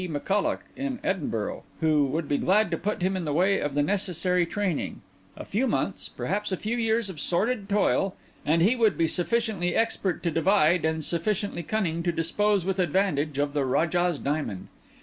Macculloch, in Edinburgh, who would be glad to put him in the way of the necessary training; a few months, perhaps a few years, of sordid toil, and he would be sufficiently expert to divide and sufficiently cunning to dispose with advantage of the Rajah's Diamond.